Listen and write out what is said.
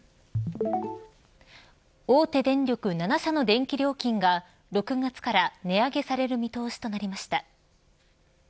大手電力７社の電気料金が６月から値上げされる見通しとなりました。